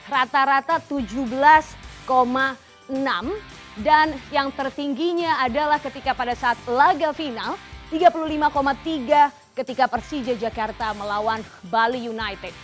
rata rata tujuh belas enam dan yang tertingginya adalah ketika pada saat laga final tiga puluh lima tiga ketika persija jakarta melawan bali united